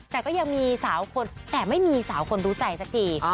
แต่ก็ยังมีสาวคนแต่ไม่มีสาวคนรู้ใจสักที